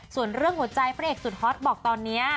ส่วนเรื่องหัวใจพระเอกสุดฮอตบอกตอนนี้